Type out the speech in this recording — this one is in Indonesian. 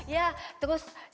ya terus pakai lilin